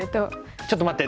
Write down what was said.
「ちょっと待って！」